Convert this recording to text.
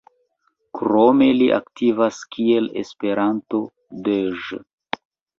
Krome li aktivas kiel Esperanto-DĴ.